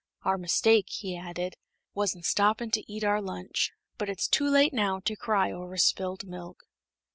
"Our mistake," he added, "was in stoppin' to eat our lunch. But it's too late now to cry over spilt milk."